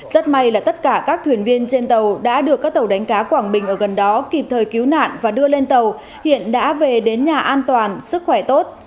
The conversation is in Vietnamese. rất may là tất cả các thuyền viên trên tàu đã được các tàu đánh cá quảng bình ở gần đó kịp thời cứu nạn và đưa lên tàu hiện đã về đến nhà an toàn sức khỏe tốt